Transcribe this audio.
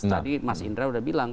tadi mas indra sudah bilang